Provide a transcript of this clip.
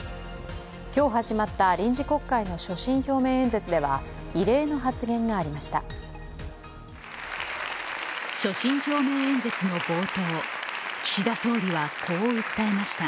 今日始まった臨時国会の所信表明演説では異例の発言がありました。